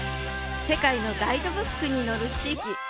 世界のガイドブックに載る地域